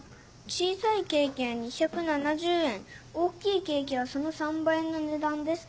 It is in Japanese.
小さいケーキは２７０円大きいケーキはその３倍のねだんです。